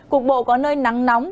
cục bộ có nơi nắng nóng